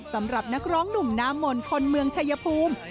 สำหรับนักร้องหนุ่มน้ำมนต์คนเมืองชายภูมิ